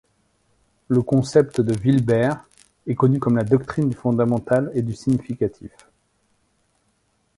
Le concept de Wilber est connu comme la doctrine du fondamental et du significatif.